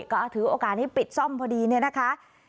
ก็ถือโอกาสนี้ปิดซ่อมพอดีเนี่ยนะคะ